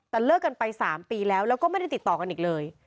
แต่เลิกกันไป๓ปีแล้วแล้วก็ไม่ได้ติดต่อกันอีกเลย